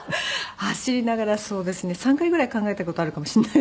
走りながらそうですね３回ぐらい考えた事あるかもしれないですね。